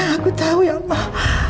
aku jauh ya allah